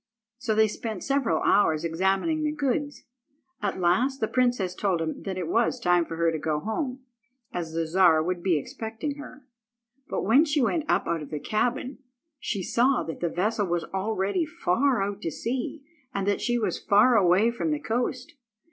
So they spent several hours examining the goods. At last the princess told him that it was time for her to go home, as the Czar would be expecting her. But when she went up out of the cabin, she saw that the vessel was already far out at sea, and that she was far away from the coast.